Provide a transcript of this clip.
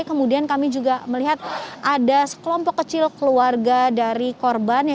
kemudian kami juga melihat ada sekelompok kecil keluarga dari korban